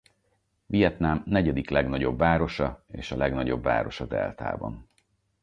Vietnám negyedik legnagyobb városa és a legnagyobb város a deltában.